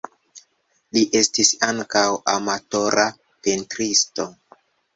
Li estis ankaŭ amatora pentristo.